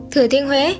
thừa thiên huế